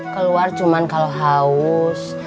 keluar cuma kalau haus